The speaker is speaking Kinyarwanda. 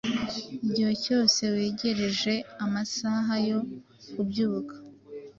igihe cyose wegereje amasaha yo kubyuka